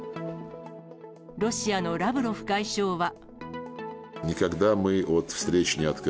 ロシアのラブロフ外相は。